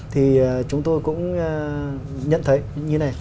thì chúng tôi cũng nhận thấy như thế này